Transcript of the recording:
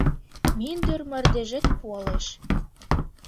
Мӱндыр мардежет пуалеш